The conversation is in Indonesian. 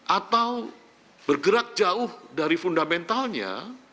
atau bergerak jauh dari fundamentalnya